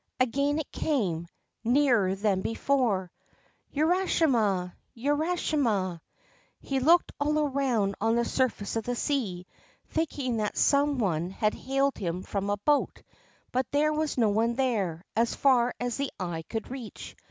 Again it came, nearer than before :' Urashima I Urashima !' He looked all around on the surface of the sea, thinking that some one had hailed him from a boat, but there was no one there, as far as the eye could reach.